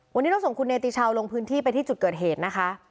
วันนี้เราส่งคุณเนติชาวลงพื้นที่ไปที่จุดเกิดเหตุนะคะ